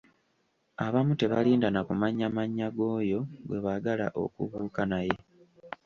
Abamu tebalinda na kumanya mannya g’oyo gwe baagala okubuuka naye.